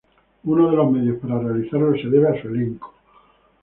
Uno de los medios para realizarlo, se debe a su elenco.